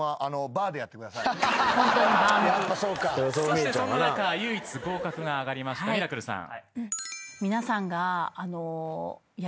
そしてそんな中唯一合格が挙がりましたミラクルさん。